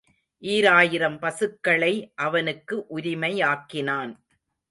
ஈராயிரம் பசுக்களை அவனுக்கு உரிமையாக்கினான்.